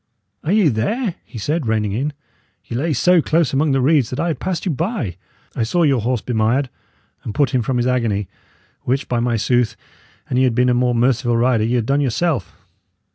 "Are ye there?" he said, reining in. "Ye lay so close among the reeds that I had passed you by. I saw your horse bemired, and put him from his agony; which, by my sooth! an ye had been a more merciful rider, ye had done yourself.